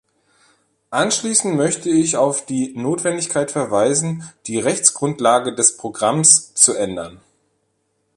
Abschließend möchte ich auf die Notwendigkeit verweisen, die Rechtsgrundlage des Programms zu ändern.